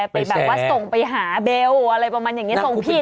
ไปแบบว่าส่งไปหาเบลล์อะไรประมาณอย่างนี้